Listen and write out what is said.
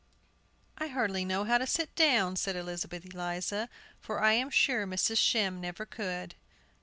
"I hardly know how to sit down," said Elizabeth Eliza, "for I am sure Mrs. Shem never could.